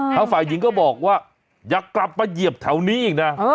ฝ่ายหญิงก็บอกว่าอย่ากลับมาเหยียบแถวนี้อีกนะ